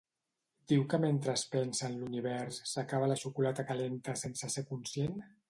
Diu que mentre es pensa en l'univers s'acaba la xocolata calenta sense ser conscient?